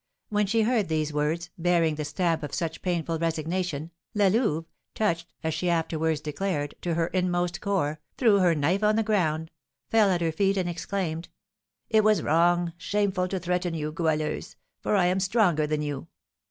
When she heard these words, bearing the stamp of such painful resignation, La Louve, touched (as she afterwards declared) to her inmost core, threw her knife on the ground, fell at her feet and exclaimed, 'It was wrong shameful to threaten you, Goualeuse, for I am stronger than you!